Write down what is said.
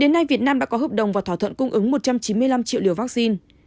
đến nay việt nam đã có hợp đồng và thỏa thuận cung ứng một trăm chín mươi năm triệu liều vaccine